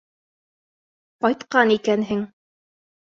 Ҡайтҡан икәнһең.